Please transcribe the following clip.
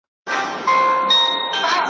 په تورونو کي سل ګونه تپېدله `